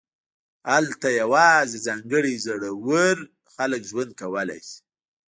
هلته یوازې ځانګړي زړور خلک ژوند کولی شي